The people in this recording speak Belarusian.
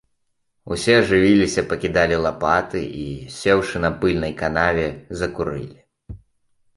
Усе ажывіліся, пакідалі лапаты і, сеўшы на пыльнай канаве, закурылі.